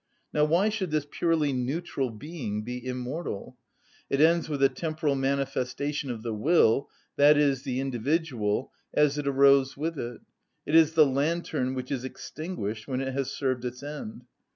Now why should this purely neutral being be immortal? It ends with the temporal manifestation of the will, i.e., the individual, as it arose with it. It is the lantern which is extinguished when it has served its end.